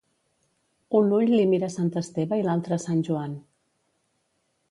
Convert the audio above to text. Un ull li mira a Sant Esteve i l'altre a Sant Joan.